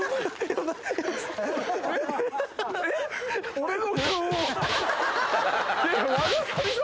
俺の顔を。